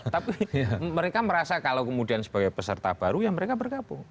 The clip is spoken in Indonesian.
tapi mereka merasa kalau kemudian sebagai peserta baru ya mereka bergabung